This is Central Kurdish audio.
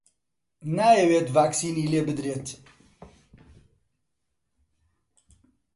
نایەوێت ڤاکسینی لێ بدرێت.